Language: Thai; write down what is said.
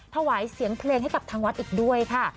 ถวายเสียงเพลงให้กับทางวัดอีกด้วยค่ะ